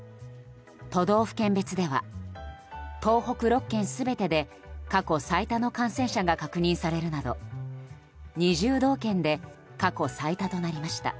都道府県別では、東北６県全てで過去最多の感染者が確認されるなど２０道県で過去最多となりました。